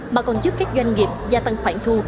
mà còn giúp các doanh nghiệp gia tăng khoản thu